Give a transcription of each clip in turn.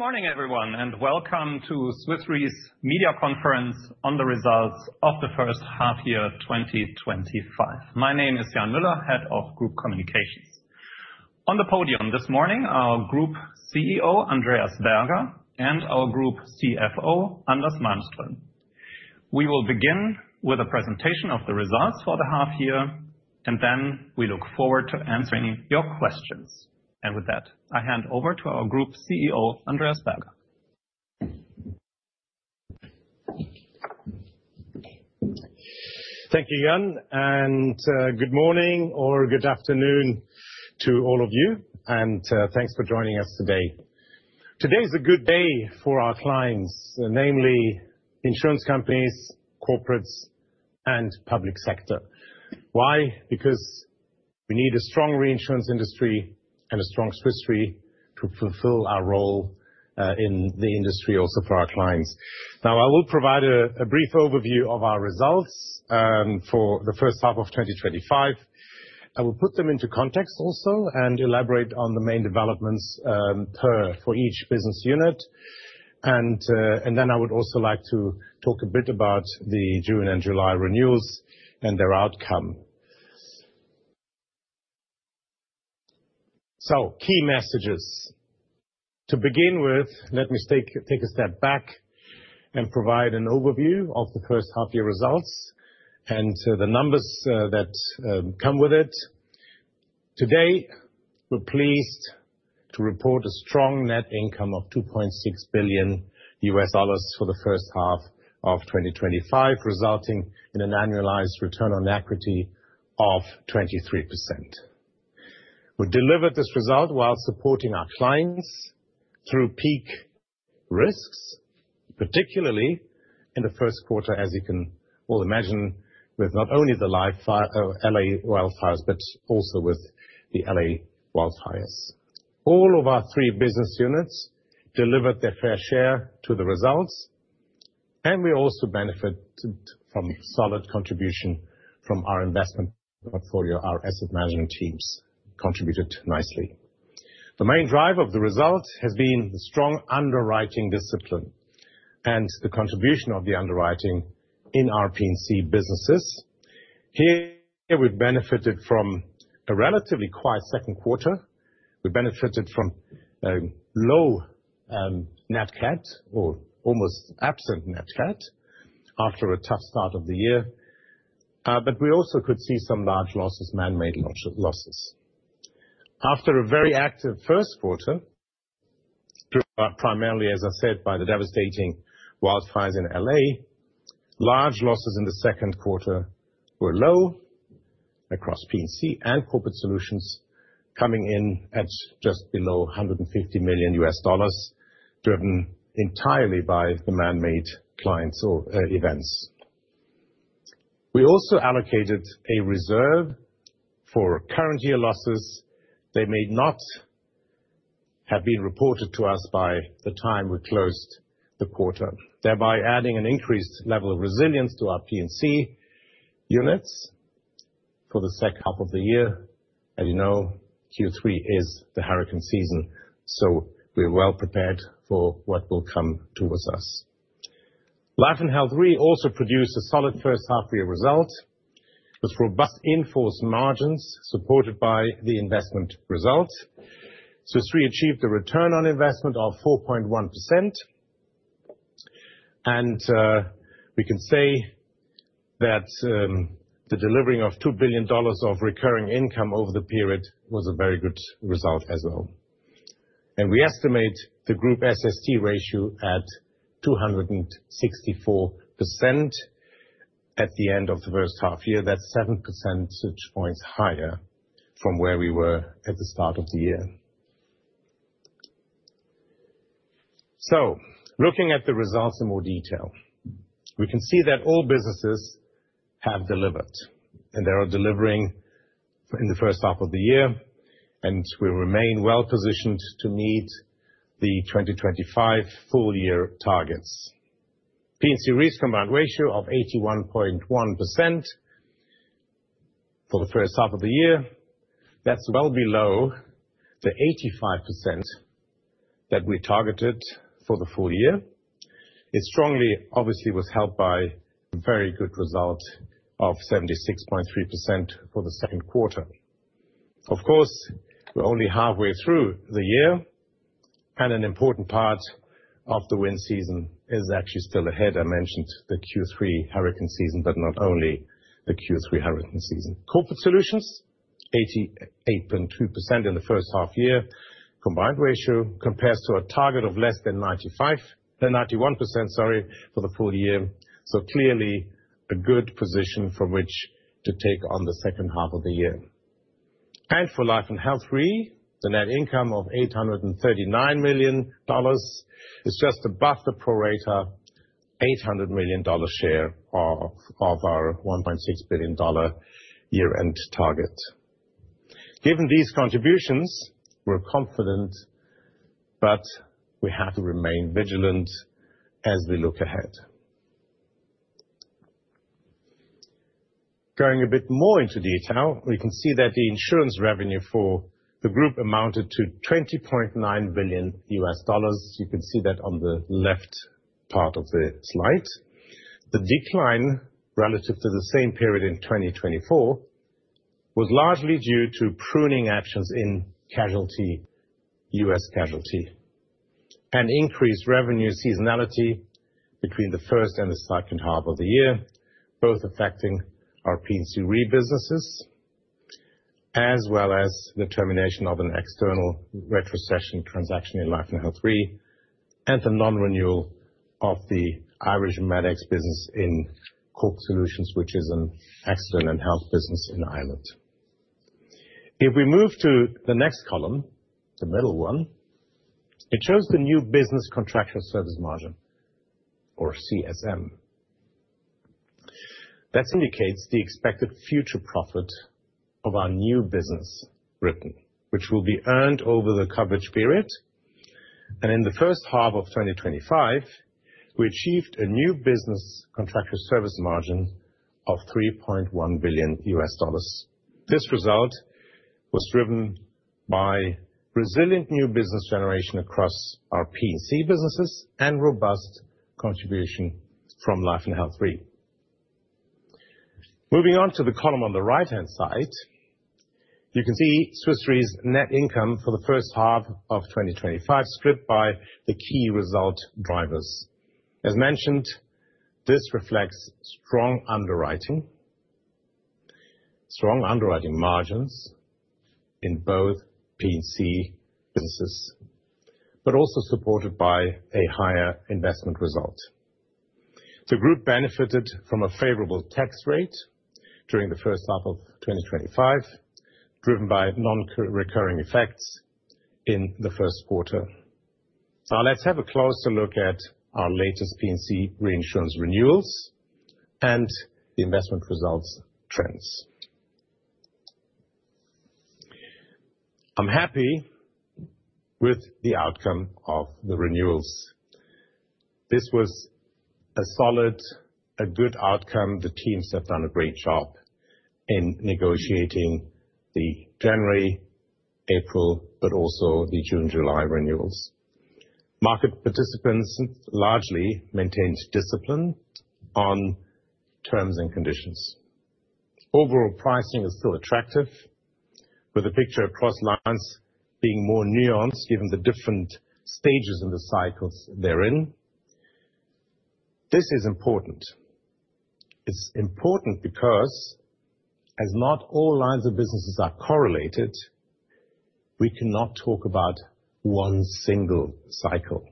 Good morning, everyone, and welcome to Swiss Re's media conference on the results of the first half year 2025. My name is Jan Müller, Head of Group Communications. On the podium this morning, our Group CEO, Andreas Berger, and our Group CFO, Anders Malmström. We will begin with a presentation of the results for the half year, and we look forward to answering your questions. With that, I hand over to our Group CEO, Andreas Berger. Thank you, Jan, and good morning or good afternoon to all of you, and thanks for joining us today. Today is a good day for our clients, namely insurance companies, corporates, and the public sector. Why? Because we need a strong reinsurance industry and a strong Swiss Re to fulfill our role in the industry also for our clients. Now, I will provide a brief overview of our results for the first half of 2025. I will put them into context also and elaborate on the main developments for each business unit. I would also like to talk a bit about the June and July renewals and their outcome. Key messages. To begin with, let me take a step back and provide an overview of the first half year results and the numbers that come with it. Today, we're pleased to report a strong net income of $2.6 billion for the first half of 2025, resulting in an annualized Return on Equity of 23%. We delivered this result while supporting our clients through peak risks, particularly in the first quarter, as you can all imagine, with not only the LA wildfires but also with the LA wildfires. All of our three business units delivered their fair share to the results, and we also benefited from a solid contribution from our investment portfolio. Our asset management teams contributed nicely. The main driver of the results has been the strong underwriting discipline and the contribution of the underwriting in our P&C businesses. Here, we've benefited from a relatively quiet second quarter. We benefited from a low net cat or almost absent net cat after a tough start of the year, but we also could see some large losses, man-made losses. After a very active first quarter, driven primarily, as I said, by the devastating wildfires in LA, large losses in the second quarter were low across P&C and Corporate Solutions, coming in at just below $150 million, driven entirely by the man-made clients or events. We also allocated a reserve for current year losses. They may not have been reported to us by the time we closed the quarter, thereby adding an increased level of resilience to our P&C units for the second half of the year. As you know, Q3 is the hurricane season, so we're well prepared for what will come towards us. Life and Health Re also produced a solid first half year result with robust in-force margins supported by the investment results. Swiss Re achieved a Return on Investment of 4.1%, and we can say that the delivering of $2 billion of recurring income over the period was a very good result as well. We estimate the group Swiss Solvency Test (SST) ratio at 264% at the end of the first half year. That's 7% points higher from where we were at the start of the year. Looking at the results in more detail, we can see that all businesses have delivered and they are delivering in the first half of the year, and we remain well positioned to meet the 2025 full-year targets. Property and Casualty Reinsurance's Combined Ratio of 81.1% for the first half of the year is well below the 85% that we targeted for the full year. It strongly, obviously, was helped by a very good result of 76.3% for the second quarter. Of course, we're only halfway through the year, and an important part of the wind season is actually still ahead. I mentioned the Q3 hurricane season, but not only a Q3 hurricane season. Corporate Solutions, 88.2% in the first half year Combined Ratio, compares to a target of less than 95% for the full year. Clearly a good position for which to take on the second half of the year. For Life and Health Re, the net income of $839 million is just above the pro rata $800 million share of our $1.6 billion year-end target. Given these contributions, we're confident, but we have to remain vigilant as we look ahead. Going a bit more into detail, we can see that the insurance revenue for the group amounted to $20.9 billion. You can see that on the left part of the slide. The decline relative to the same period in 2024 was largely due to pruning actions in US Casualty and increased revenue seasonality between the first and the second half of the year, both affecting our Property and Casualty Reinsurance businesses as well as the termination of an External Retrocession Transaction in Life and Health Re and the non-renewal of the Irish Medics business in Corporate Solutions, which is an accident and health business in Ireland. If we move to the next column, the middle one, it shows the new business Contractual Service Margin or CSM. That indicates the expected future profit of our new business, written, which will be earned over the coverage period. In the first half of 2025, we achieved a new business Contractual Service Margin of $3.1 billion. This result was driven by resilient new business generation across our Property and Casualty businesses and robust contribution from Life and Health Re. Moving on to the column on the right-hand side, you can see Swiss Re's net income for the first half of 2025 split by the key result drivers. As mentioned, this reflects strong underwriting, strong underwriting margins in both P&C businesses, but also supported by a higher investment result. The group benefited from a favorable tax rate during the first half of 2025, driven by non-recurring effects in the first quarter. Now, let's have a closer look at our latest property and casualty reinsurance renewals and investment results trends. I'm happy with the outcome of the renewals. This was a solid, a good outcome. The teams have done a great job in negotiating the January, April, but also the June, July renewals. Market participants largely maintained discipline on terms and conditions. Overall pricing is still attractive, with the picture across lines being more nuanced given the different stages in the cycles they're in. This is important. It's important because as not all lines of businesses are correlated, we cannot talk about one single cycle.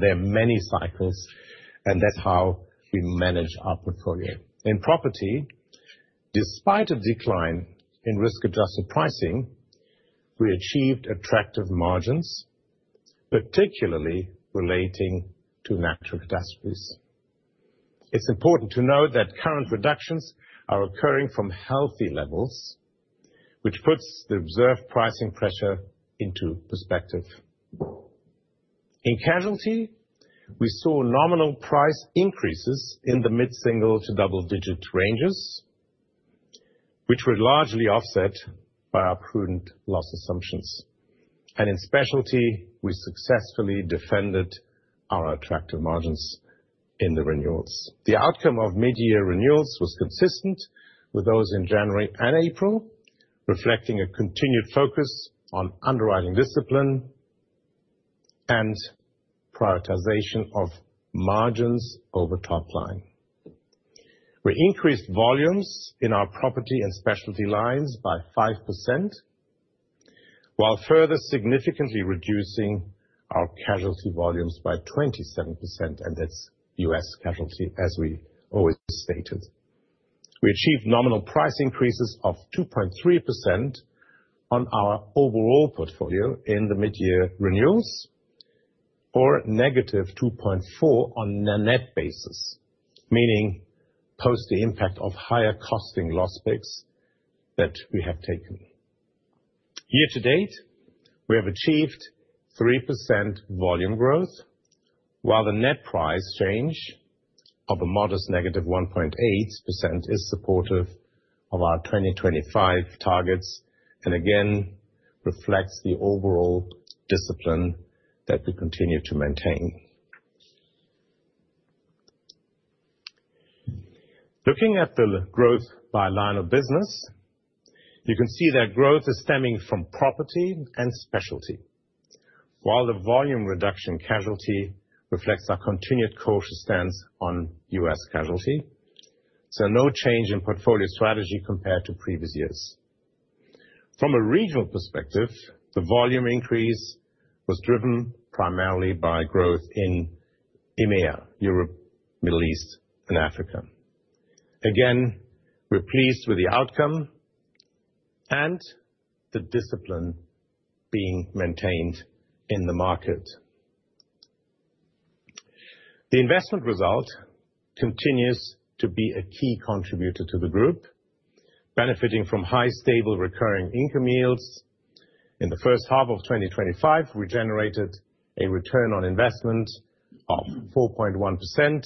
There are many cycles, and that's how we manage our portfolio. In property, despite a decline in risk-adjusted pricing, we achieved attractive margins, particularly relating to Natural Catastrophes. It's important to note that current reductions are occurring from healthy levels, which puts the reserve pricing pressure into perspective. In casualty, we saw nominal price increases in the mid-single to double-digit ranges, which were largely offset by our prudent loss assumptions. In specialty, we successfully defended our attractive margins in the renewals. The outcome of mid-year renewals was consistent with those in January and April, reflecting a continued focus on underwriting discipline and prioritization of margins over top line. We increased volumes in our property and specialty lines by 5%, while further significantly reducing our casualty volumes by 27%, and that's US Casualty, as we always stated. We achieved nominal price increases of 2.3% on our overall portfolio in the mid-year renewals, or negative 2.4% on a net basis, meaning post the impact of higher costing loss picks that we have taken. Year to date, we have achieved 3% volume growth, while the net price change of a modest negative 1.8% is supportive of our 2025 targets and again reflects the overall discipline that we continue to maintain. Looking at the growth by line of business, you can see that growth is stemming from property and specialty, while the volume reduction in casualty reflects our continued cautious stance on US Casualty. No change in portfolio strategy compared to previous years. From a regional perspective, the volume increase was driven primarily by growth in EMEA, Europe, Middle East, and Africa. We're pleased with the outcome and the discipline being maintained in the market. The investment result continues to be a key contributor to the group, benefiting from high, stable, Recurring Income Yields. In the first half of 2025, we generated a Return on Investment of 4.1%.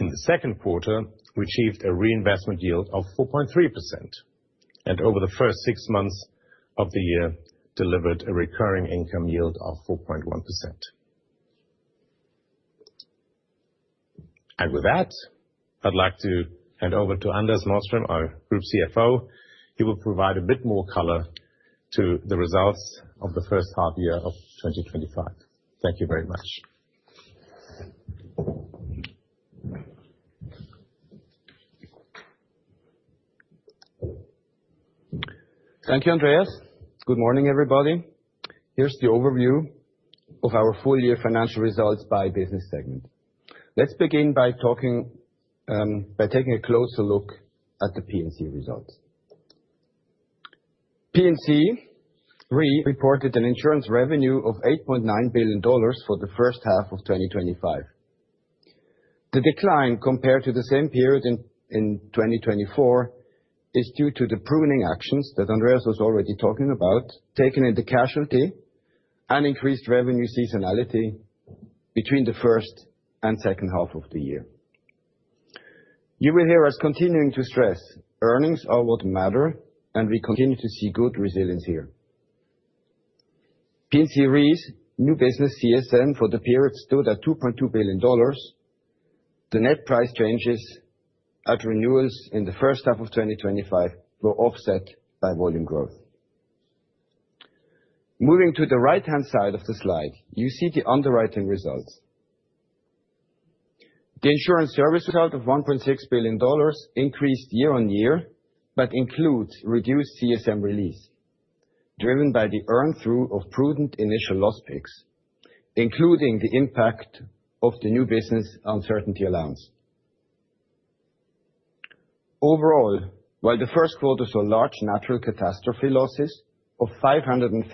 In the second quarter, we achieved a Reinvestment Yield of 4.3%, and over the first six months of the year, delivered a Recurring Income Yield of 4.1%. With that, I'd like to hand over to Anders Malmström, our Group CFO. He will provide a bit more color to the results of the first half year of 2025. Thank you very much. Thank you, Andreas. Good morning, everybody. Here's the overview of our full-year financial results by business segment. Let's begin by taking a closer look at the P&C results. P&C Re reported an insurance revenue of $8.9 billion for the first half of 2025. The decline compared to the same period in 2024 is due to the pruning actions that Andreas was already talking about, taken in the casualty and increased revenue seasonality between the first and second half of the year. You will hear us continuing to stress earnings are what matter, and we continue to see good resilience here. P&C Re's new business CSM for the period stood at $2.2 billion. The net price changes at renewals in the first half of 2025 were offset by volume growth. Moving to the right-hand side of the slide, you see the underwriting results. The insurance service result of $1.6 billion increased year on year, but includes reduced CSM release driven by the earned through of prudent initial loss picks, including the impact of the New Business Uncertainty Allowance. Overall, while the first quarter saw large Natural Catastrophe losses of $556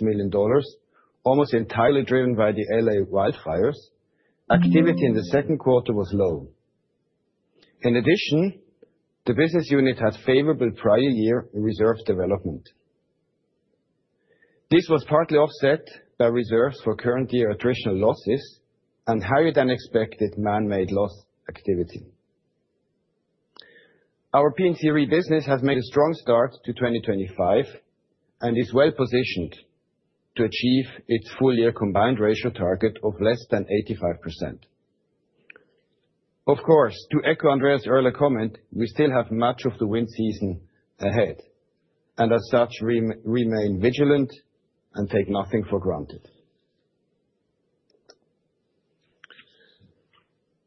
million, almost entirely driven by the LA wildfires, activity in the second quarter was low. In addition, the business unit had favorable prior year reserve development. This was partly offset by reserves for current year attritional losses and higher than expected man-made loss activity. Our Property and Casualty Reinsurance business has made a strong start to 2025 and is well positioned to achieve its full-year Combined Ratio target of less than 85%. Of course, to echo Andreas's earlier comment, we still have much of the wind season ahead, and as such, remain vigilant and take nothing for granted.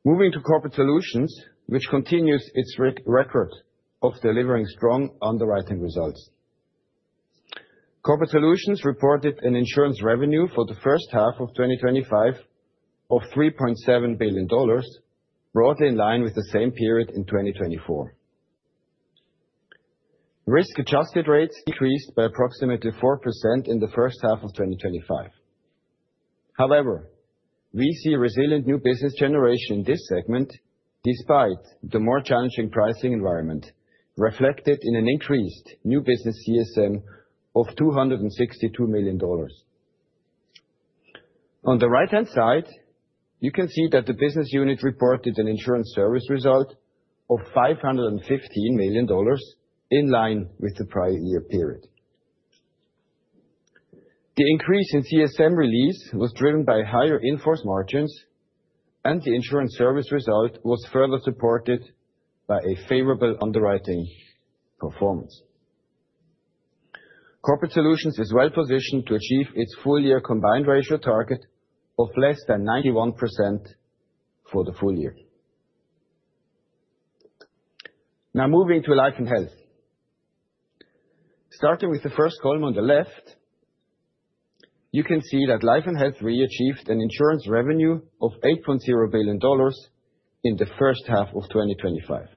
Moving to Corporate Solutions, which continues its record of delivering strong underwriting results. Corporate Solutions reported an insurance revenue for the first half of 2025 of $3.7 billion, broadly in line with the same period in 2024. Risk-adjusted rates decreased by approximately 4% in the first half of 2025. However, we see resilient new business generation in this segment despite the more challenging pricing environment reflected in an increased new business CSM of $262 million. On the right-hand side, you can see that the business unit reported an insurance service result of $515 million, in line with the prior year period. The increase in CSM release was driven by higher in-force margins, and the insurance service result was further supported by a favorable underwriting performance. Corporate Solutions is well positioned to achieve its full-year Combined Ratio target of less than 91% for the full year. Now, moving to Life and Health. Starting with the first column on the left, you can see that Life and Health Re achieved an insurance revenue of $8.0 billion in the first half of 2025.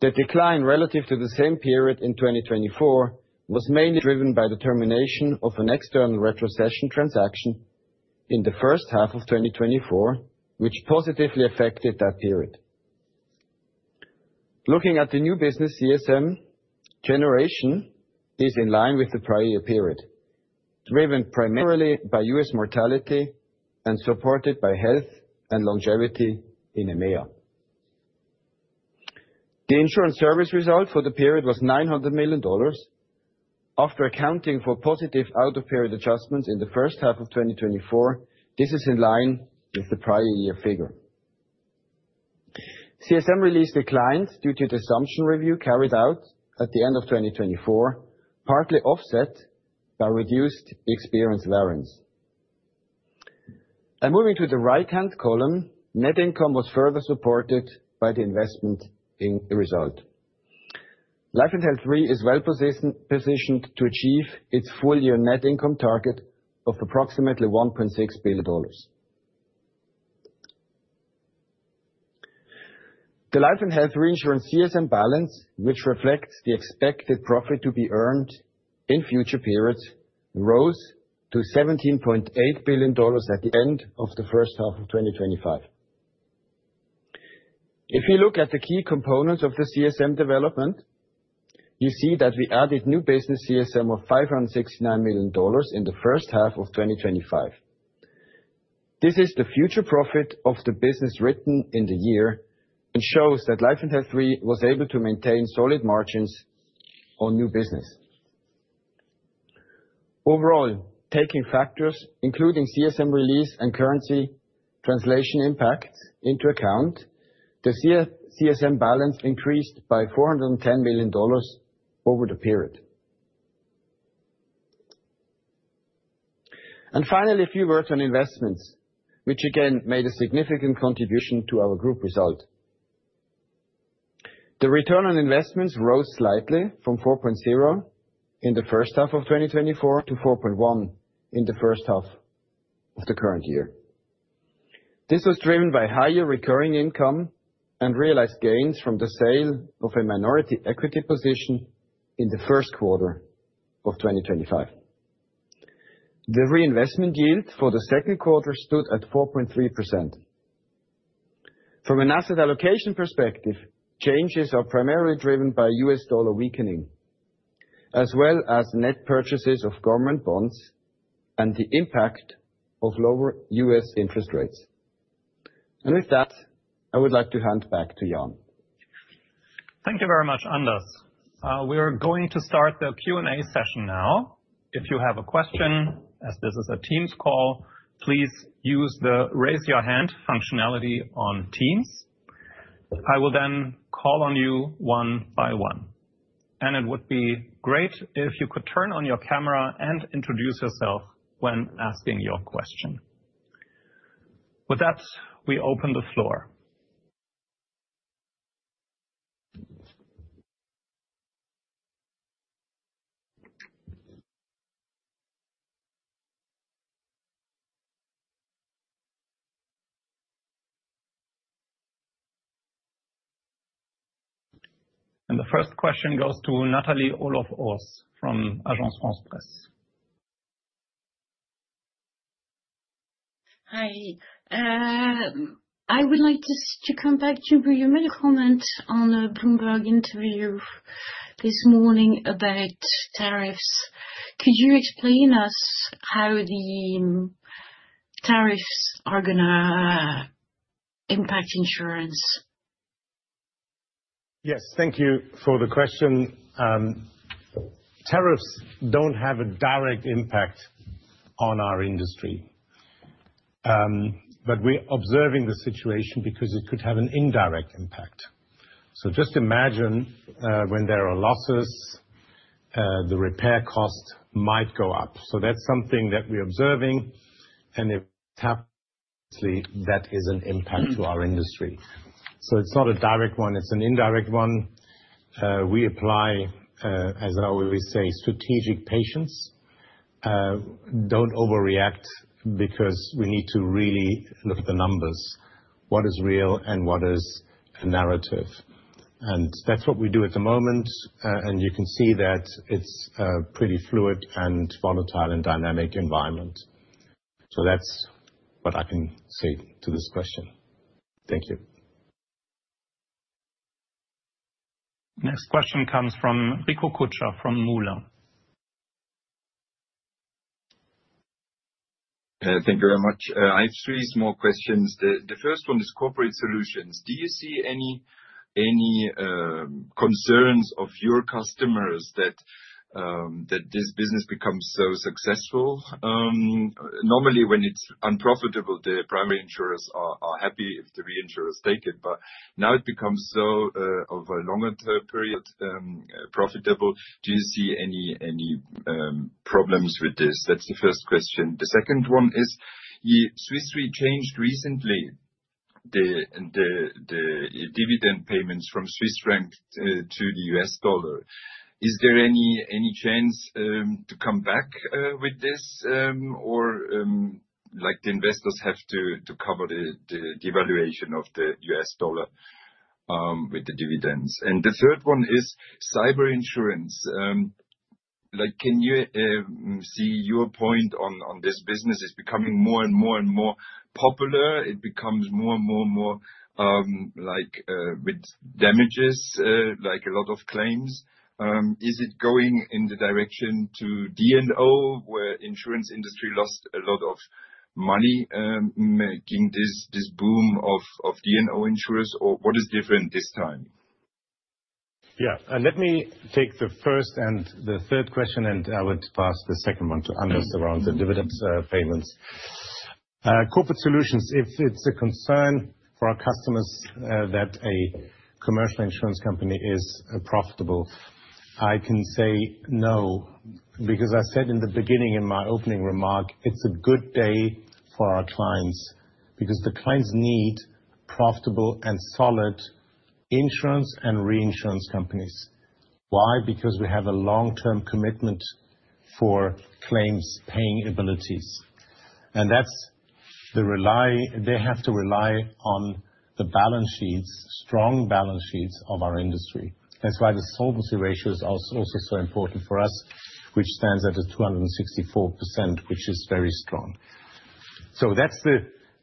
The decline relative to the same period in 2024 was mainly driven by the termination of an External Retrocession Transaction in the first half of 2024, which positively affected that period. Looking at the new business CSM generation, it is in line with the prior year period, driven primarily by US mortality and supported by health and longevity in EMEA. The insurance service result for the period was $900 million. After accounting for positive out-of-period adjustments in the first half of 2024, this is in line with the prior year figure. CSM release declines due to the assumption review carried out at the end of 2024, partly offset by reduced experience variance. Moving to the right-hand column, net income was further supported by the investment in the result. Life and Health Re is well positioned to achieve its full-year net income target of approximately $1.6 billion. The Life and Health Re insurance CSM balance, which reflects the expected profit to be earned in future periods, rose to $17.8 billion at the end of the first half of 2025. If you look at the key components of the CSM development, you see that we added new business CSM of $569 million in the first half of 2025. This is the future profit of the business written in the year. It shows that Life and Health Re was able to maintain solid margins on new business. Overall, taking factors including CSM release and currency translation impacts into account, the CSM balance increased by $410 million over the period. Finally, a few words on investments, which again made a significant contribution to our group result. The Return on Investments rose slightly from 4.0% in the first half of 2024 to 4.1% in the first half of the current year. This was driven by higher recurring income and realized gains from the sale of a minority equity position in the first quarter of 2025. The Reinvestment Yield for the second quarter stood at 4.3%. From an asset allocation perspective, changes are primarily driven by US dollar weakening, as well as net purchases of government bonds and the impact of lower US interest rates. With that, I would like to hand back to Jan. Thank you very much, Anders. We're going to start the Q&A session now. If you have a question, as this is a Teams call, please use the raise your hand functionality on Teams. I will then call on you one by one. It would be great if you could turn on your camera and introduce yourself when asking your question. With that, we open the floor. The first question goes to Nathalie Olof-Örs from Agence France-Presse. Hi. I would like to come back to your comment on a Bloomberg interview this morning about tariffs. Could you explain to us how the tariffs are going to impact insurance? Yes, thank you for the question. Tariffs don't have a direct impact on our industry, but we're observing the situation because it could have an indirect impact. Just imagine when there are losses, the repair cost might go up. That's something that we're observing, and obviously, that is an impact to our industry. It's not a direct one. It's an indirect one. We apply, as I always say, strategic patience. Don't overreact because we need to really look at the numbers. What is real and what is a narrative? That's what we do at the moment. You can see that it's a pretty fluid, volatile, and dynamic environment. That's what I can say to this question. Thank you. Next question comes from Rico Kucha from Mullen. Thank you very much. I have three small questions. The first one is Corporate Solutions. Do you see any concerns of your customers that this business becomes so successful? Normally, when it's unprofitable, the primary insurers are happy if the reinsurers take it, but now it becomes so, over a longer period, profitable. Do you see any problems with this? That's the first question. The second one is, Swiss Re changed recently the dividend payments from Swiss franc to the US dollar. Is there any chance to come back with this, or do the investors have to cover the devaluation of the US dollar with the dividends? The third one is cyber insurance. Can you see your point on this business? It's becoming more and more and more popular. It becomes more and more and more like with damages, like a lot of claims. Is it going in the direction to D&O, where the insurance industry lost a lot of money making this boom of D&O insurance, or what is different this time? Yeah. Let me take the first and the third question, and I would pass the second one to Anders around the dividend payments. Corporate Solutions, if it's a concern for our customers that a commercial insurance company is profitable, I can say no, because I said in the beginning in my opening remark, it's a good day for our clients because the clients need profitable and solid insurance and reinsurance companies. Why? Because we have a long-term commitment for claims paying abilities. They have to rely on the balance sheets, strong balance sheets of our industry. That's why the solvency ratios are also so important for us, which stands at 264%, which is very strong. That's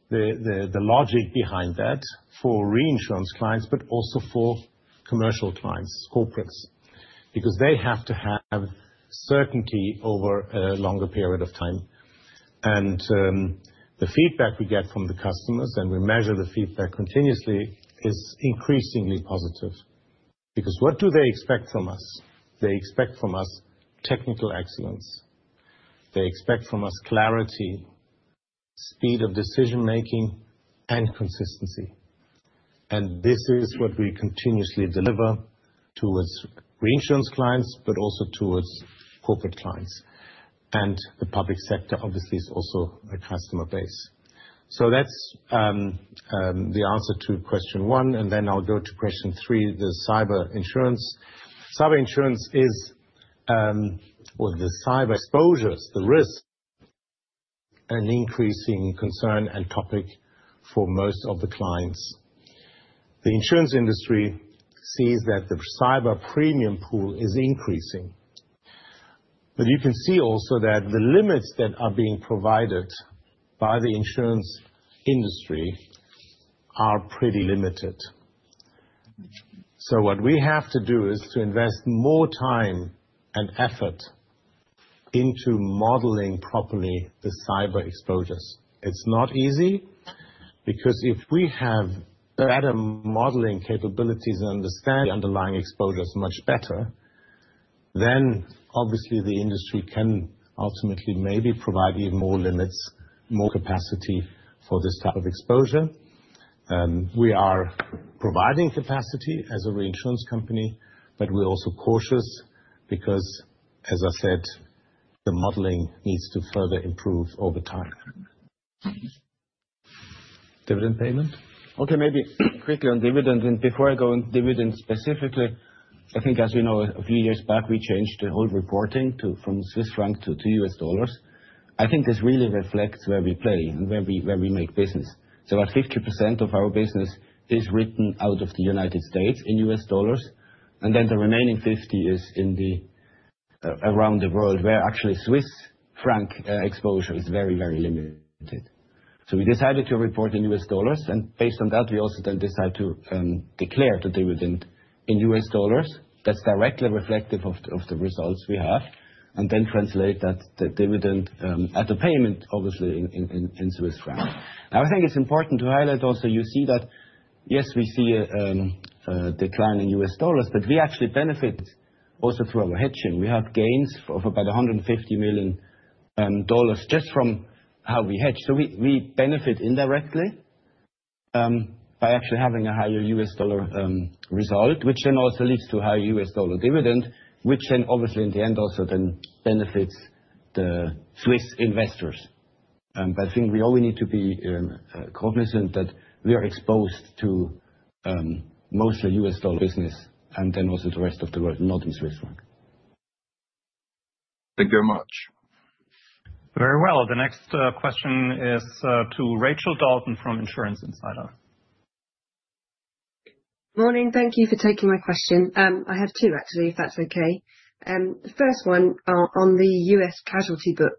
the logic behind that for reinsurance clients, but also for commercial clients, corporates, because they have to have certainty over a longer period of time. The feedback we get from the customers, and we measure the feedback continuously, is increasingly positive because what do they expect from us? They expect from us technical excellence. They expect from us clarity, speed of decision-making, and consistency. This is what we continuously deliver towards reinsurance clients, but also towards corporate clients. The public sector, obviously, is also a customer base. That's the answer to question one. I'll go to question three, the cyber insurance. Cyber insurance is, the cyber exposures, the risk, an increasing concern and topic for most of the clients. The insurance industry sees that the cyber premium pool is increasing. You can see also that the limits that are being provided by the insurance industry are pretty limited. What we have to do is to invest more time and effort into modeling properly the cyber exposures. It's not easy because if we have better modeling capabilities and understand the underlying exposures much better, then obviously the industry can ultimately maybe provide even more limits, more capacity for this type of exposure. We are providing capacity as a reinsurance company, but we're also cautious because, as I said, the modeling needs to further improve over time. Dividend payment? Okay, maybe quickly on dividends. Before I go on dividends specifically, I think, as we know, a few years back, we changed the whole reporting from Swiss franc to US dollars. I think this really reflects where we play and where we make business. About 50% of our business is written out of the United States in US dollars, and then the remaining 50% is around the world, where actually Swiss franc exposure is very, very limited. We decided to report in US dollars, and based on that, we also then decide to declare the dividend in US dollars. That's directly reflective of the results we have, and then translate that dividend at the payment, obviously, in Swiss franc. I think it's important to highlight also, you see that, yes, we see a decline in US dollars, but we actually benefit also through our hedging. We have gains of about $150 million just from how we hedge. We benefit indirectly by actually having a higher US dollar result, which then also leads to a higher US dollar dividend, which then, obviously, in the end, also then benefits the Swiss investors. I think we always need to be cognizant that we are exposed to mostly US dollar business and then also the rest of the world, not in Swiss franc. Thank you very much. Very well. The next question is to Rachel Dalton from Insurance Insider. Morning. Thank you for taking my question. I have two, actually, if that's okay. The first one on the US Casualty book.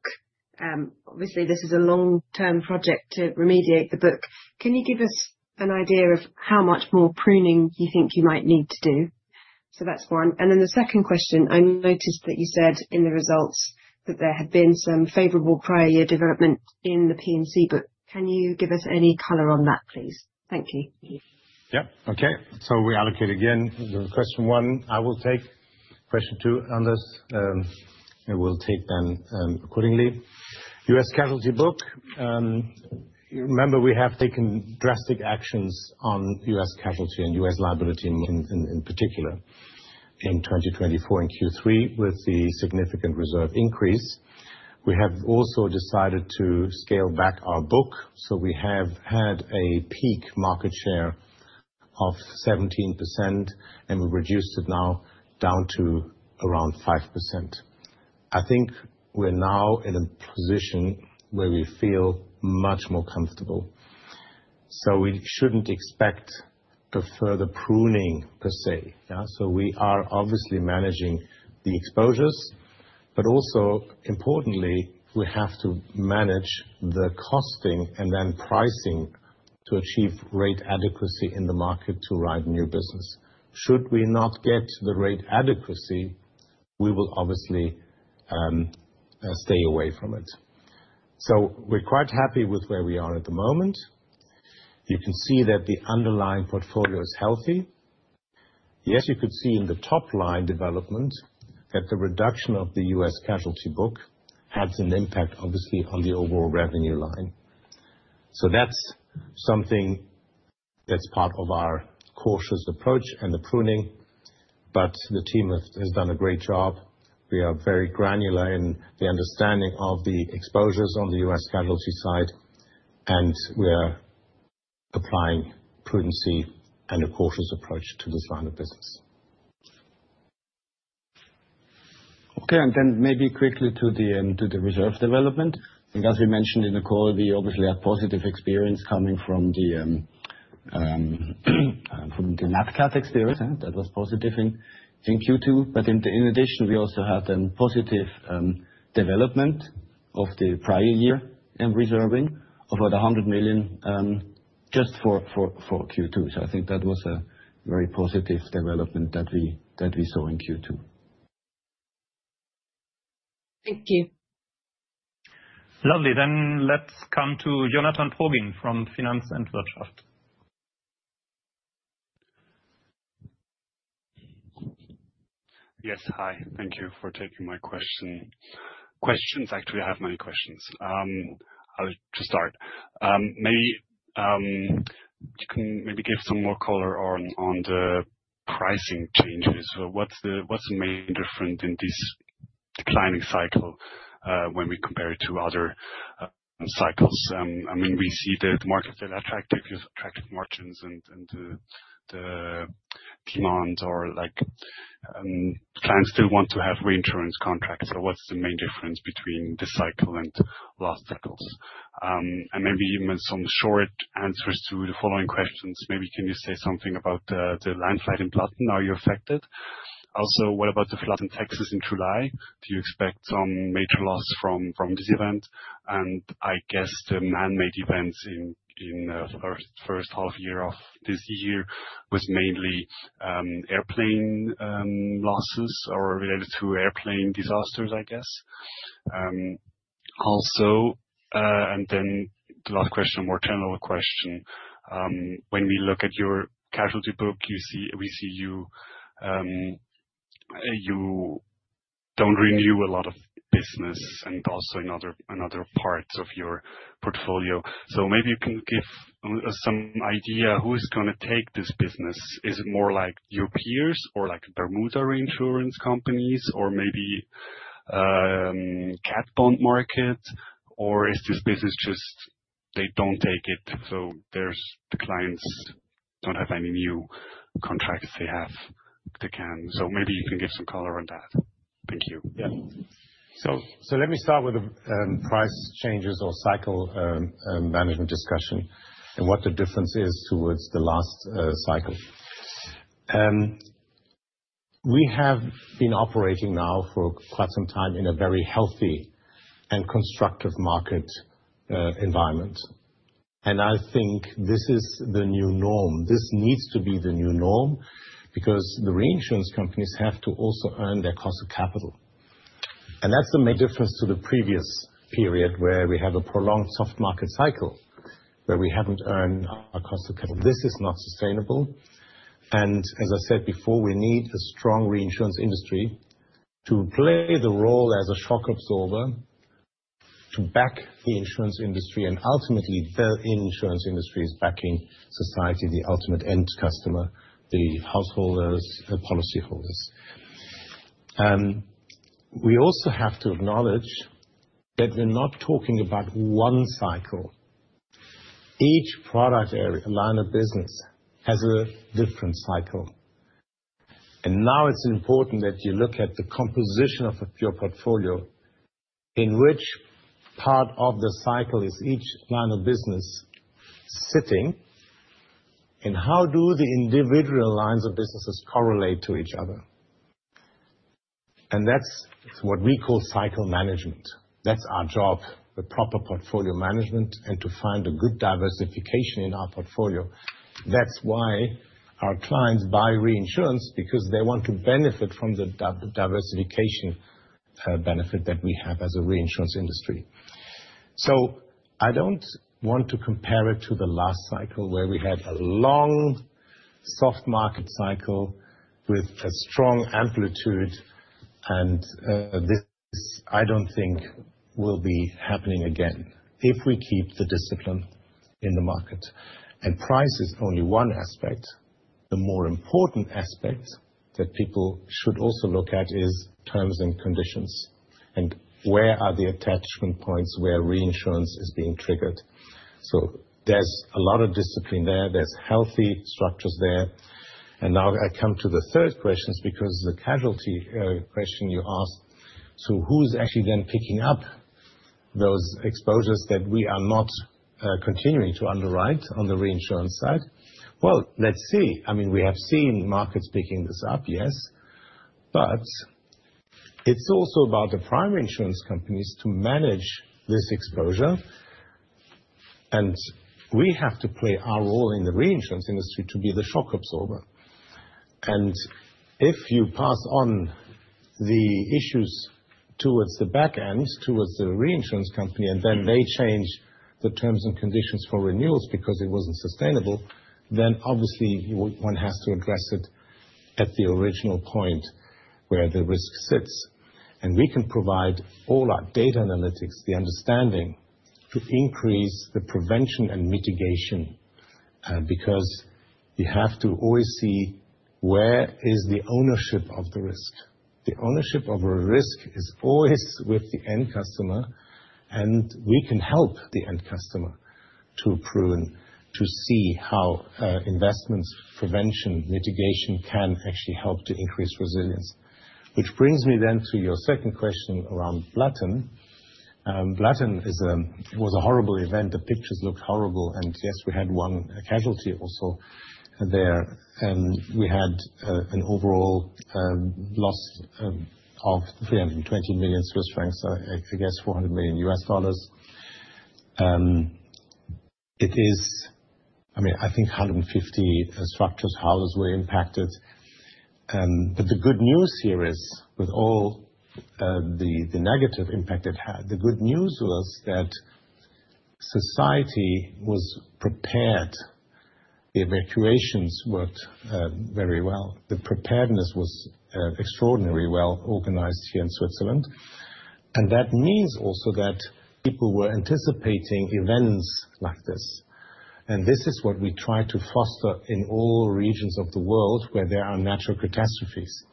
Obviously, this is a long-term project to remediate the book. Can you give us an idea of how much more pruning you think you might need to do? That's one. The second question, I noticed that you said in the results that there had been some favorable prior year development in the P&C, but can you give us any color on that, please? Thank you. Yeah. Okay. We allocate again. The question one, I will take. Question two, Anders, I will take then accordingly. US Casualty book, you remember we have taken drastic actions on US Casualty and US liability in particular in 2024 and Q3 with the significant reserve increase. We have also decided to scale back our book. We have had a peak market share of 17%, and we've reduced it now down to around 5%. I think we're now in a position where we feel much more comfortable. We shouldn't expect further pruning per se. We are obviously managing the exposures, but also importantly, we have to manage the costing and then pricing to achieve rate adequacy in the market to write new business. Should we not get the rate adequacy, we will obviously stay away from it. We're quite happy with where we are at the moment. You can see that the underlying portfolio is healthy. You could see in the top line development that the reduction of the US Casualty book has an impact, obviously, on the overall revenue line. That's something that's part of our cautious approach and the pruning. The team has done a great job. We are very granular in the understanding of the exposures on the US Casualty side, and we are applying prudency and a cautious approach to the design of business. Okay. Maybe quickly to the reserve development. I think, as we mentioned in the call, we obviously had positive experience coming from the NATCAT experience. That was positive in Q2. In addition, we also had a positive development of the prior year reserving of about $100 million just for Q2. I think that was a very positive development that we saw in Q2. Thank you. Lovely. Let's come to Jonathan Progin from Finanz und Wirtschaft. Yes, hi. Thank you for taking my question. Actually, I have many questions. I'll just start. Maybe give some more color on the pricing premiums. What's the main difference in this planning cycle when we compare it to other cycles? I mean, we see that markets that attract margins and the demand or like plans to want to have reinsurance contracts. What's the main difference between this cycle and last cycles? Maybe even some short answers to the following questions. Can you say something about the landslide in Bloodton? Are you affected? Also, what about the flood in Texas in July? Do you expect some major loss from this event? I guess the man-made events in the first half year of this year was mainly airplane losses or related to airplane disasters, I guess. The last question, more general question. When we look at your casualty book, we see you don't renew a lot of business and also in other parts of your portfolio. Maybe you can give us some idea who is going to take this business. Is it more like your peers or like Bermuda reinsurance companies or maybe Cat Bond Market? Or is this business just they don't take it? Their clients don't have any new contracts they have. They can. Maybe you can give some color on that. Thank you. Yeah. Let me start with the price changes or cycle management discussion and what the difference is towards the last cycle. We have been operating now for quite some time in a very healthy and constructive market environment. I think this is the new norm. This needs to be the new norm because the reinsurance companies have to also earn their cost of capital. That's the main difference to the previous period where we had a prolonged soft market cycle where we haven't earned our cost of capital. This is not sustainable. As I said before, we need a strong reinsurance industry to play the role as a shock absorber to back the insurance industry. Ultimately, the insurance industry is backing society, the ultimate end customer, the householders, policyholders. We also have to acknowledge that we're not talking about one cycle. Each product area, a line of business has a different cycle. Now it's important that you look at the composition of your portfolio in which part of the cycle is each line of business sitting, and how do the individual lines of businesses correlate to each other? That's what we call cycle management. That's our job, the proper portfolio management, and to find a good diversification in our portfolio. That's why our clients buy reinsurance, because they want to benefit from the diversification benefit that we have as a reinsurance industry. I don't want to compare it to the last cycle where we had a long soft market cycle with a strong amplitude, and this I don't think will be happening again if we keep the discipline in the market. Price is only one aspect. The more important aspect that people should also look at is terms and conditions and where are the attachment points where reinsurance is being triggered. There's a lot of discipline there. There are healthy structures there. Now I come to the third question because of the casualty question you asked. Who's actually then picking up those exposures that we are not continuing to underwrite on the reinsurance side? Let's see. I mean, we have seen markets picking this up, yes. It's also about the primary insurance companies to manage this exposure. We have to play our role in the reinsurance industry to be the shock absorber. If you pass on the issues towards the back end, towards the reinsurance company, and then they change the terms and conditions for renewals because it wasn't sustainable, obviously one has to address it at the original point where the risk sits. We can provide all our data analytics, the understanding to increase the prevention and mitigation because you have to always see where is the ownership of the risk. The ownership of a risk is always with the end customer, and we can help the end customer through pruning to see how investments, prevention, mitigation can actually help to increase resilience. This brings me to your second question around Bloodton. Bloodton was a horrible event. The pictures look horrible. Yes, we had one casualty also there. We had an overall loss of 320 million Swiss francs, I guess $400 million. I think 150 structures, houses were impacted. The good news here is with all the negative impact it had, the good news was that society was prepared. The evacuations worked very well. The preparedness was extraordinarily well organized here in Switzerland. That means also that people were anticipating events like this. This is what we try to foster in all regions of the world where there are Natural Catastrophes.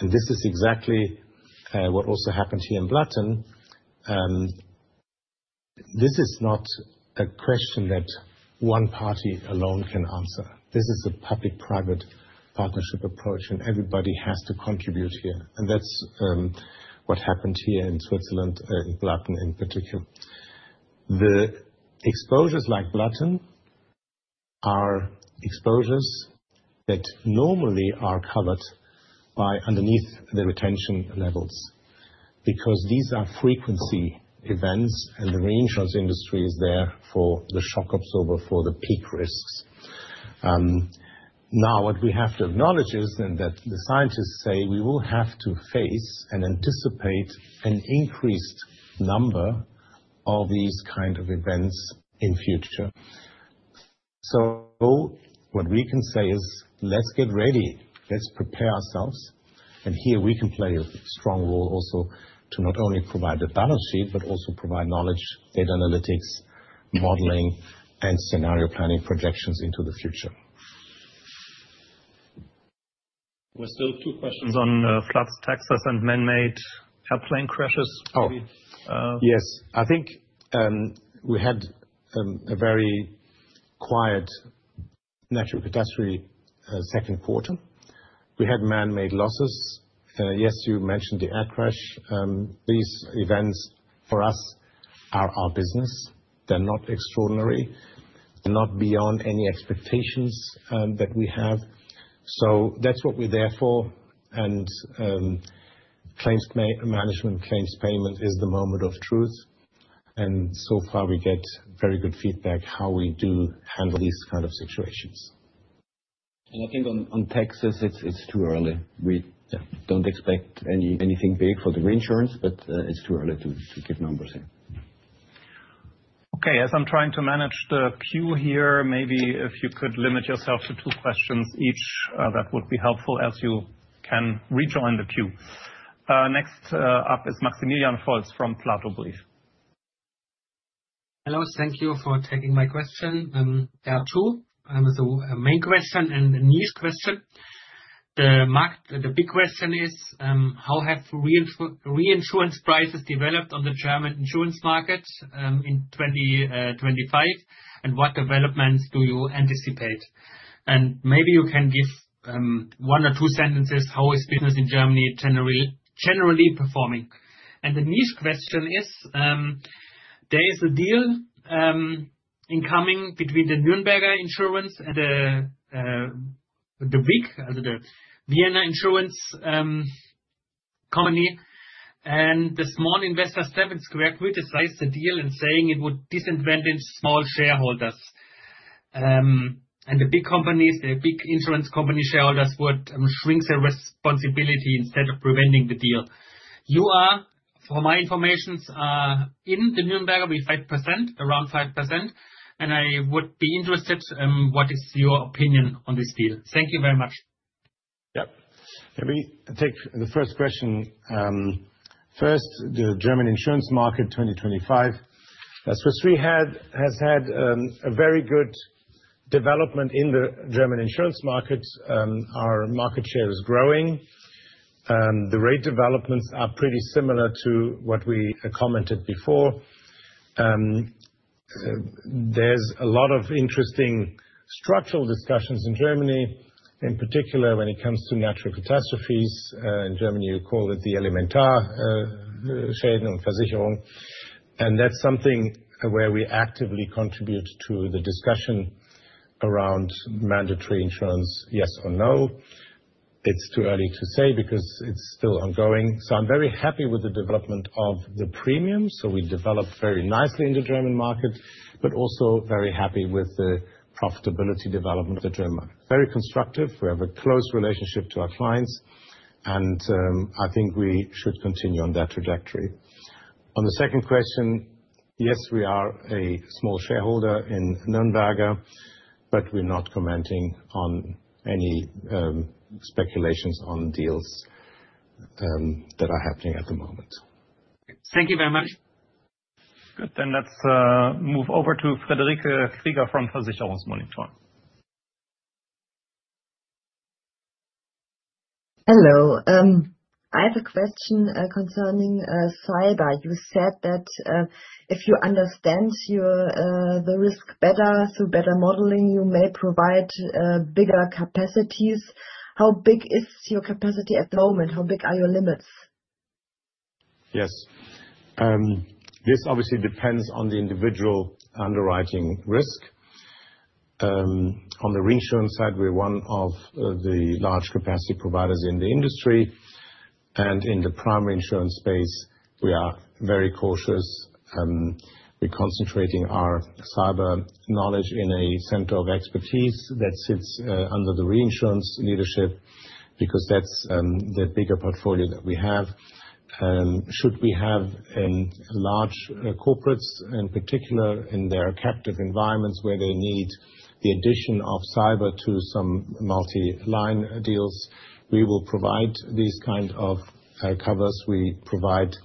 This is exactly what also happened here in Bloodton. This is not a question that one party alone can answer. This is a public-private partnership approach, and everybody has to contribute here. That's what happened here in Switzerland, in Bloodton in particular. The exposures like Bloodton are exposures that normally are covered by underneath the retention levels because these are frequency events, and the reinsurance industry is there for the shock absorber for the peak risks. What we have to acknowledge is that the scientists say we will have to face and anticipate an increased number of these kinds of events in the future. What we can say is, let's get ready. Let's prepare ourselves. We can play a strong role also to not only provide the balance sheet, but also provide knowledge, data analytics, modeling, and scenario planning projections into the future. Were there two questions on floods, taxes, and man-made airplane crashes? Yes. I think we had a very quiet Natural Catastrophe second quarter. We had man-made losses. Yes, you mentioned the air crash. These events for us are our business. They're not extraordinary. They're not beyond any expectations that we have. That's what we're there for. Claims management, claims payment is the moment of truth. So far, we get very good feedback how we do handle these kinds of situations. I think on Texas, it's too early. We don't expect anything big for the reinsurance, but it's too early to give numbers in. Okay, as I'm trying to manage the queue here, maybe if you could limit yourself to two questions each, that would be helpful as you can rejoin the queue. Next up is Maximilian Falls from Plato Brief. Hello. Thank you for taking my question. There are two. A main question and a niche question. The big question is, how have reinsurance prices developed on the German insurance market in 2025, and what developments do you anticipate? Maybe you can give one or two sentences, how is business in Germany generally performing? The niche question is, there is a deal incoming between the Nürnberger Versicherung and the Vienna Insurance Group. The small investor, Seven Square Group, decides a deal in saying it would disincentivize small shareholders. The big companies, the big insurance company shareholders would shrink their responsibility instead of preventing the deal. You are, for my information, in the Nürnberger with 5%, around 5%. I would be interested, what is your opinion on this deal? Thank you very much. Yeah. Let me take the first question. First, the German insurance market 2025. Swiss Re has had a very good development in the German insurance markets. Our market share is growing. The rate developments are pretty similar to what we commented before. There are a lot of interesting structural discussions in Germany, in particular when it comes to Natural Catastrophes. In Germany, you call it the Elementar Schäden und Versicherung. That's something where we actively contribute to the discussion around mandatory insurance, yes or no. It's too early to say because it's still ongoing. I'm very happy with the development of the premium. We developed very nicely in the German market, and I'm also very happy with the profitability development of the German market. Very constructive. We have a close relationship to our clients, and I think we should continue on that trajectory. On the second question, yes, we are a small shareholder in Nürnberger Versicherung, but we're not commenting on any speculations on deals that are happening at the moment. Thank you very much. Good. Let's move over to Friederike Krieger from Versicherungsmonitor. Hello. I have a question concerning cyber. You said that if you understand the risk better through better modeling, you may provide bigger capacities. How big is your capacity at the moment? How big are your limits? Yes. This obviously depends on the individual underwriting risk. On the reinsurance side, we're one of the large capacity providers in the industry. In the primary insurance space, we are very cautious. We're concentrating our cyber knowledge in a center of expertise that sits under the reinsurance leadership because that's the bigger portfolio that we have. Should we have large corporates, in particular in their captive environments where they need the addition of cyber to some multi-line deals, we will provide these kinds of covers. We provide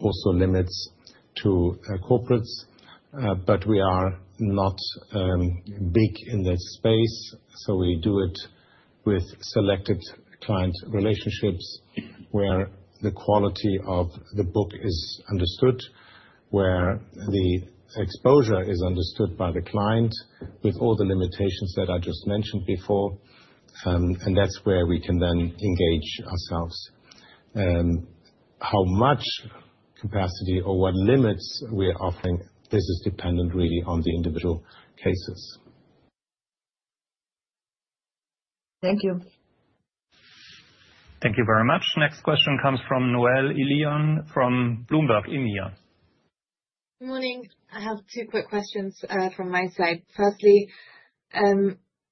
also limits to corporates, but we are not big in this space. We do it with selected client relationships where the quality of the book is understood, where the exposure is understood by the client with all the limitations that I just mentioned before. That's where we can then engage ourselves. How much capacity or what limits we're offering is dependent really on the individual cases. Thank you. Thank you very much. Next question comes from Noel Elion from Bloomberg EMEA. Morning. I have two quick questions from my side. Firstly, on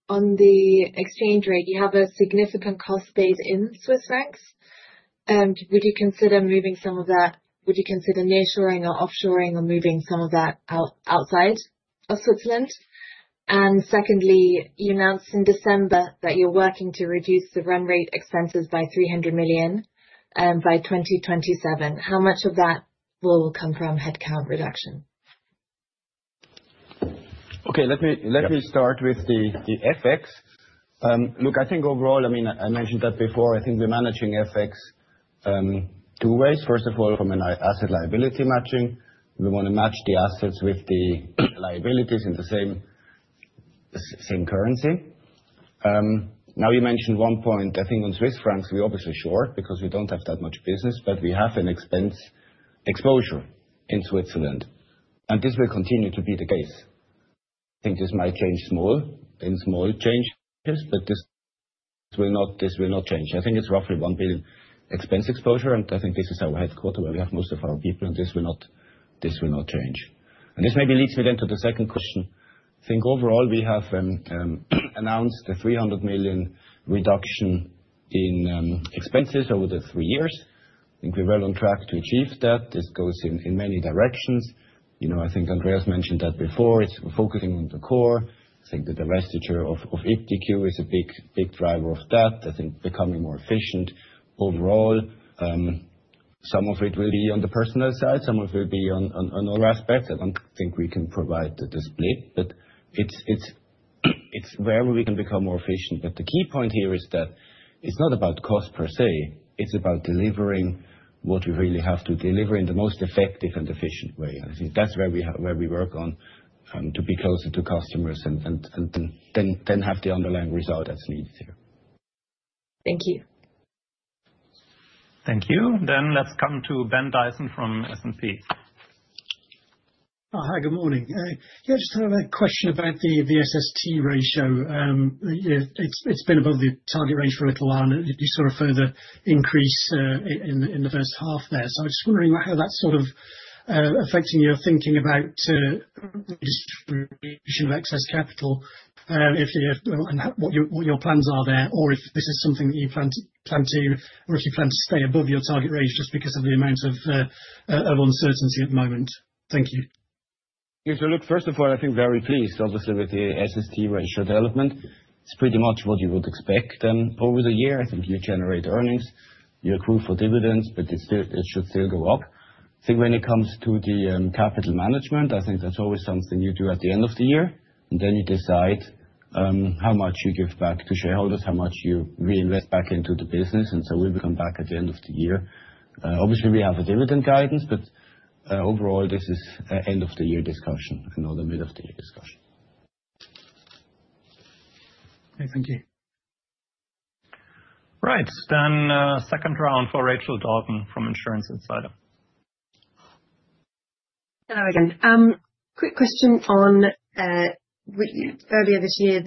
the exchange rate, you have a significant cost base in Swiss francs. Would you consider moving some of that? Would you consider nearshoring or offshoring or moving some of that outside of Switzerland? Secondly, you announced in December that you're working to reduce the run rate expenses by $300 million and by 2027. How much of that will come from headcount reduction? Okay. Let me start with the FX. Look, I think overall, I mentioned that before. I think we're managing FX two ways. First of all, from an asset liability matching, we want to match the assets with the liabilities in the same currency. Now, you mentioned one point. I think on Swiss francs, we're obviously short because we don't have that much business, but we have an expense exposure in Switzerland. This will continue to be the case. I think this might change in small changes, but this will not change. I think it's roughly 1 billion expense exposure, and I think this is our headquarter where we have most of our people, and this will not change. This maybe leads me then to the second question. I think overall, we have announced the 300 million reduction in expenses over the three years. I think we're well on track to achieve that. This goes in many directions. I think Andreas mentioned that before. It's focusing on the core. I think that the vestige of EPTQ is a big driver of that. I think becoming more efficient overall. Some of it will be on the personnel side. Some of it will be on other aspects. I don't think we can provide the split, but it's where we can become more efficient. The key point here is that it's not about cost per se. It's about delivering what we really have to deliver in the most effective and efficient way. I think that's where we work on trying to be closer to customers and then have the underlying result as needed here. Thank you. Thank you. Let's come to Ben Dyson from S&P. Hi. Good morning. I just had a question about the SST ratio. It's been above the target rate for a little while, and it did further increase in the first half there. I was just wondering how that's affecting your thinking about the issue of excess capital and what your plans are there, or if this is something that you plan to, or if you plan to stay above your target rate just because of the amount of uncertainty at the moment. Thank you. Yeah. First of all, I think very pleased, obviously, with the SST ratio development. It's pretty much what you would expect over the year. I think you generate earnings, you accrue for dividends, but it should still go up. When it comes to the capital management, I think that's always something you do at the end of the year, and then you decide how much you give back to shareholders, how much you reinvest back into the business. We'll come back at the end of the year. Obviously, we have a dividend guidance, but overall, this is an end-of-the-year discussion and not a mid-of-the-year discussion. Okay, thank you. Right. Second round for Rachel Dalton from Insurance Insider. Hello again. Quick question on earlier this year,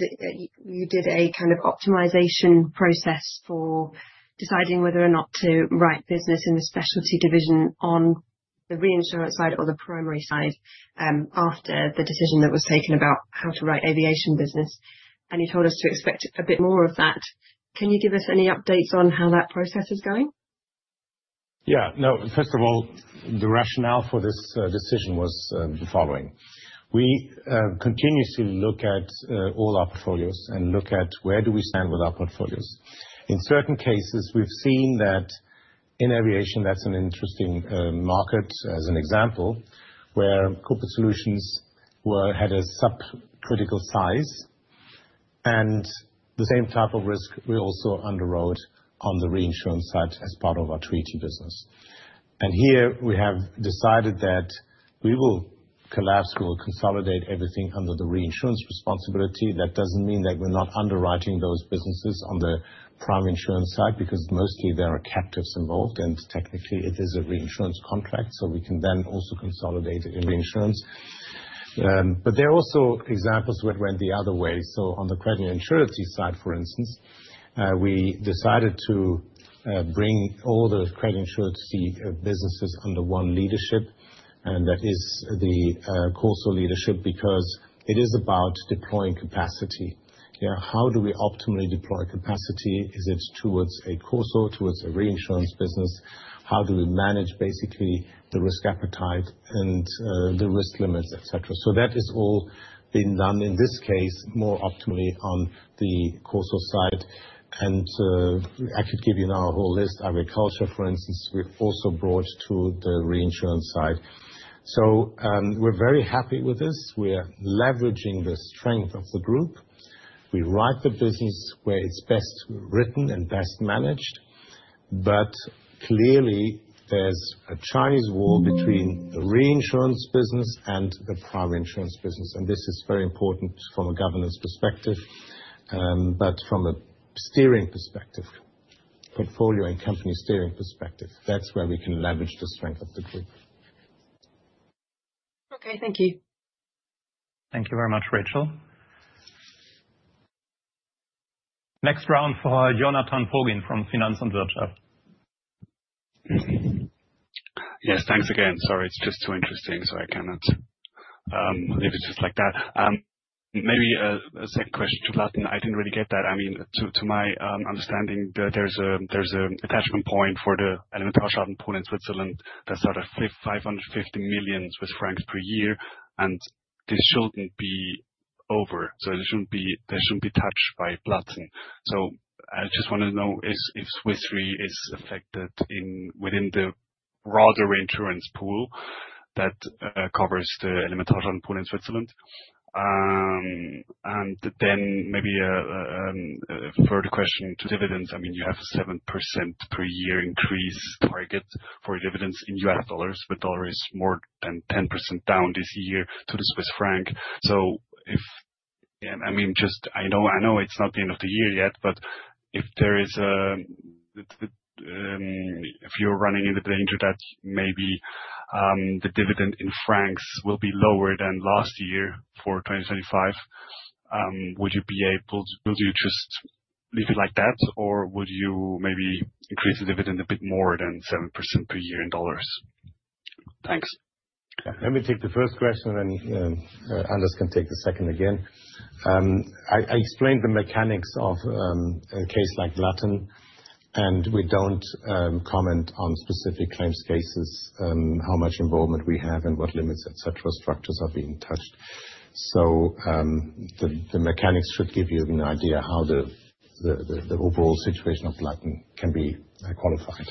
you did a kind of optimization process for deciding whether or not to write business in the specialty division on the reinsurance side or the primary side after the decision that was taken about how to write aviation business. You told us to expect a bit more of that. Can you give us any updates on how that process is going? Yeah. No. First of all, the rationale for this decision was the following. We continuously look at all our portfolios and look at where do we stand with our portfolios. In certain cases, we've seen that in aviation, that's an interesting market as an example, where Corporate Solutions had a subcritical size. The same type of risk we also underwrote on the reinsurance side as part of our treaty business. Here, we have decided that we will collapse. We will consolidate everything under the reinsurance responsibility. That doesn't mean that we're not underwriting those businesses on the prime insurance side because mostly there are captives involved. Technically, it is a reinsurance contract. We can then also consolidate it in reinsurance. There are also examples where it went the other way. On the credit insurance side, for instance, we decided to bring all those credit insurance businesses under one leadership. That is the Corporate Solutions leadership because it is about deploying capacity. Yeah. How do we optimally deploy capacity? Is it towards Corporate Solutions, towards a reinsurance business? How do we manage basically the risk appetite and the risk limits, etc.? That has all been done in this case more optimally on the Corporate Solutions side. I could give you now a whole list. Agriculture, for instance, we've also brought to the reinsurance side. We're very happy with this. We're leveraging the strength of the group. We write the business where it's best written and best managed. Clearly, there's a Chinese wall between the reinsurance business and the prime insurance business. This is very important from a governance perspective. From a steering perspective, portfolio and company steering perspectives, that's where we can leverage the strength of the group. Okay, thank you. Thank you very much, Rachel. Next round for Jonathan Progin from Finanz und Wirtschaft. Yes, thanks again. Sorry, it's just too interesting, so I cannot leave it just like that. Maybe a second question to Bloodton. I didn't really get that. I mean, to my understanding, there's an attachment point for the Elementar Schaden Pool in Switzerland that started at 550 million Swiss francs per year, and this shouldn't be over. It shouldn't be touched by Bloodton. I just want to know if Swiss Re is affected within the broader reinsurance pool that covers the Elementar Schaden Pool in Switzerland. Maybe a further question to dividends. You have a 7% per year increase target for dividends in US dollars, but the dollar is more than 10% down this year to the Swiss franc. I know it's not the end of the year yet, but if you're running into the danger that maybe the dividend in francs will be lower than last year for 2025, would you be able to just leave it like that, or would you maybe increase the dividend a bit more than 7% per year in dollars? Thanks. Let me take the first question, and then Anders can take the second again. I explained the mechanics of a case like Bloodton, and we don't comment on specific claims cases, how much involvement we have, and what limits, etc., structures are being touched. The mechanics should give you an idea of how the overall situation of Bloodton can be qualified.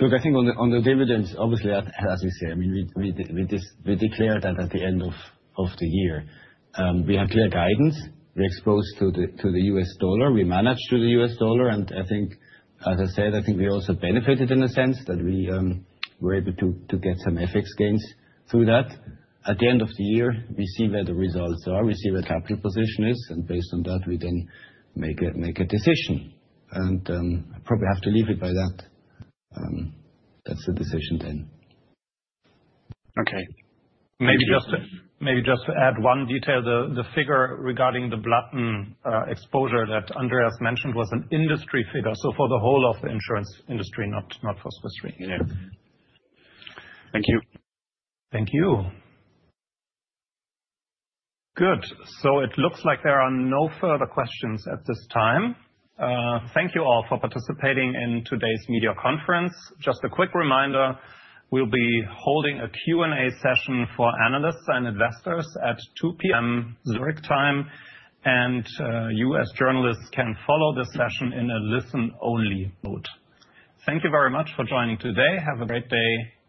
I think on the dividends, obviously, as we say, I mean, we declared that at the end of the year. We had clear guidance. We're exposed to the US dollar. We managed through the US dollar. I think, as I said, I think we also benefited in a sense that we were able to get some FX gains through that. At the end of the year, we see where the results are. We see where the capital position is. Based on that, we then make a decision. I probably have to leave it by that. That's the decision then. Okay. Maybe just to add one detail, the figure regarding the Bloodton exposure that Andreas mentioned was an industry figure, for the whole of the insurance industry, not for Swiss Re. Thank you. Thank you. Good. It looks like there are no further questions at this time. Thank you all for participating in today's media conference. Just a quick reminder, we'll be holding a Q&A session for analysts and investors at 2:00 P.M. Zurich time. You as journalists can follow this session in a listen-only mode. Thank you very much for joining today. Have a great day. God.